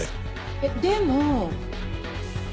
えっでも。